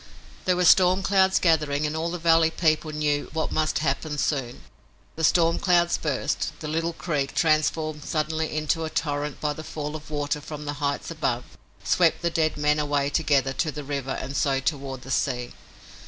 There were storm clouds gathering and all the valley people knew what must happen soon. The storm clouds burst; the little creek, transformed suddenly into a torrent by the fall of water from the heights above, swept the dead men away together to the river and so toward the sea.